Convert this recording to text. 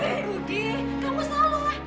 rudy kamu salah